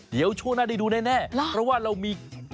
เดี๋ยวช่วงหน้าได้ดูแน่เพราะว่าเรามี